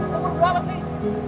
tunggu gue apa sih